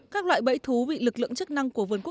các loại bẫy thú bị lực lượng chức năng của vnk